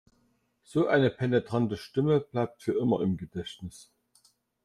So eine penetrante Stimme bleibt für immer im Gedächtnis.